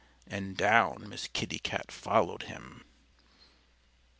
And down Miss Kitty Cat followed him.